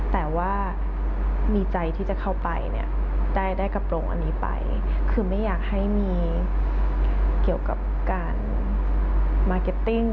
แต่ว่ามีใจที่จะเข้าไปเนี่ยได้กระโปรงอันนี้ไปคือไม่อยากให้มีเกี่ยวกับการมาร์เก็ตติ้ง